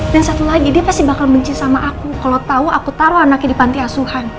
dan satu lagi dia pasti bakal bencin sama aku kalau tahu aku taruh anaknya di panti asuhan